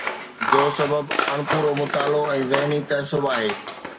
ان جو سبب اڻپورو مطالعو ۽ ذهني تعصب آهي.